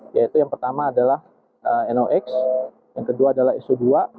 yaitu yang pertama adalah nox yang kedua adalah so dua